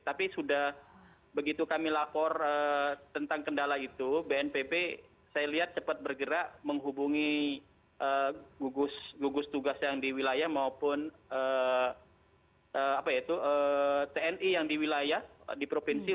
tapi sudah begitu kami lapor tentang kendala itu bnpb saya lihat cepat bergerak menghubungi gugus tugas yang di wilayah maupun tni yang di wilayah di provinsi